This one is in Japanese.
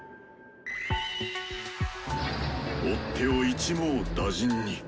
追っ手を一網打尽に！